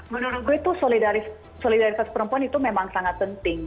menurut gue itu solidaritas perempuan itu memang sangat penting